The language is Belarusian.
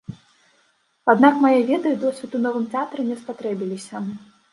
Аднак мае веды і досвед у новым тэатры не спатрэбіліся.